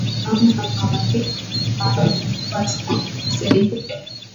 Ana maarifa sana mzee yule